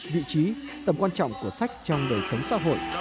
vị trí tầm quan trọng của sách trong đời sống xã hội